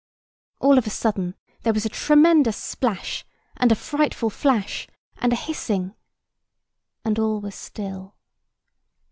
All of a sudden there was a tremendous splash, and a frightful flash, and a hissing, and all was still.